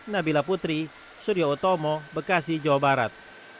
nabila putri surya utomo bekasi jawa barat